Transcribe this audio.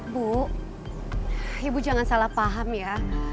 bu ibu jangan salah paham ya